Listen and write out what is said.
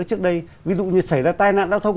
trước đây ví dụ như xảy ra tai nạn giao thông